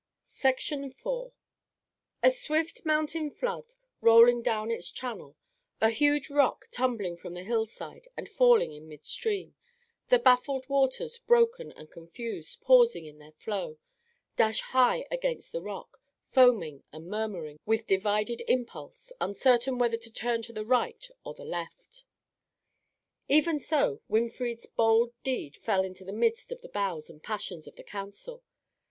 IV A swift mountain flood rolling down its channel; a huge rock tumbling from the hill side and falling in mid stream: the baffled waters broken and confused, pausing in their flow, dash high against the rock, foaming and murmuring, with divided impulse, uncertain whether to turn to the right or the left. Even so Winfried's bold deed fell into the midst of the thoughts and passions of the council.